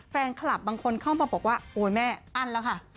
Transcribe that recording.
แฟนคลับบางคนเข้ามาบอกว่าโอ๊ยแม่อั้นแล้วค่ะ